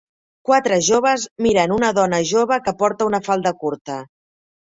Quatre joves miren una dona jove que porta una falda curta